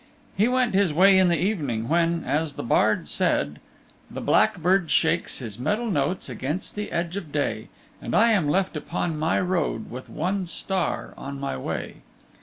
He went his way in the evening, when, as the bard said: The blackbird shakes his metal notes Against the edge of day, And I am left upon my road With one star on my way.